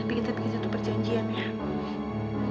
tapi kita bikin satu perjanjian ya